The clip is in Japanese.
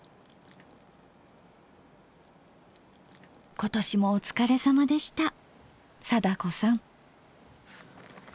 今年もお疲れさまでした貞子さん。